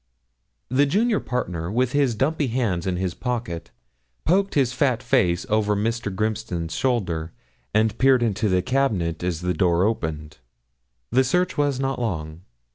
The junior partner, with his dumpy hands in his pocket, poked his fat face over Mr. Grimston's shoulder, and peered into the cabinet as the door opened. The search was not long.